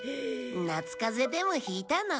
夏風邪でも引いたの？